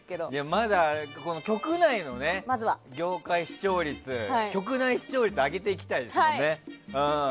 まだ局内の業界視聴率局内視聴率を上げていきたいですもんね。